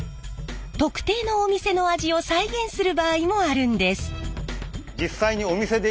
特定のお店の味を再現する場合もあるんです。